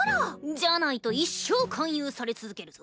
じゃないと一生勧誘され続けるぞ。